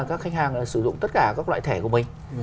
các khách hàng sử dụng tất cả các loại thẻ của mình